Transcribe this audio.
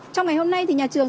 trong ngày hôm nay thì nhà trường